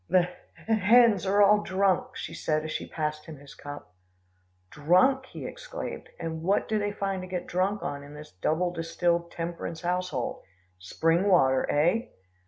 "The h h hens are all drunk," she said as she passed him his cup. "Drunk!" he exclaimed, "and what do they find to get drunk on in this double distilled temperance household? Spring water, eh?"